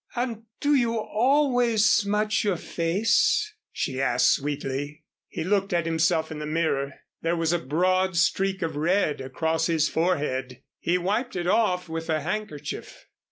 "And do you always smudge your face?" she asked sweetly. He looked at himself in the mirror. There was a broad streak of red across his forehead. He wiped it off with a handkerchief.